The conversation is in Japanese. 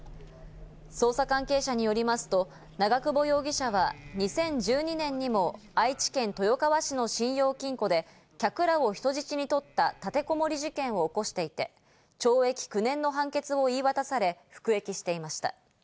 捜査関係者によりますと、長久保容疑者は２０１２年にも愛知県豊川市の信用金庫で客らを人質に取った立てこもり事件を起こしていて、懲役９年の判決を言い渡され服役していました。